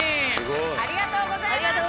ありがとうございます。